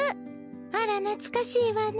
あらなつかしいわね。